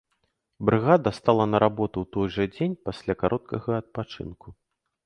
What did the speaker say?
Брыгада стала на работу ў той жа дзень, пасля кароткага адпачынку.